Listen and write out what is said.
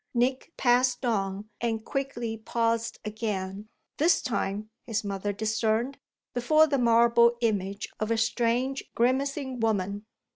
Nick passed on and quickly paused again; this time, his mother discerned, before the marble image of a strange grimacing woman.